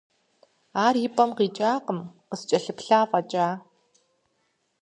Ар и пӀэм къикӀакъым, къыскӀэлъыплъа фӀэкӀа.